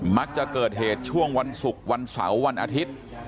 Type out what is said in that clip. มักจะเกิดเหตุช่วงวันศุกร์วันเสาร์วันอาทิตย์